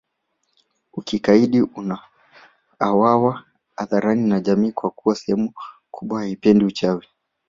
Ukikaidi unauwawa hadharani na jamii kwa kuwa sehemu kubwa hawapendi uchawi